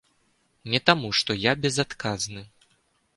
Не таму, што я безадказны.